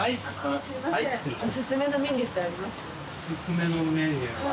おすすめのメニューは。